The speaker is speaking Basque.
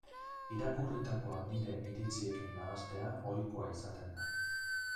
Irakurritakoa nire iritziekin nahastea ohikoa izaten da.